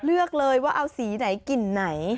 เลือกเลยว่าเอาสีไหนกลิ่นไหน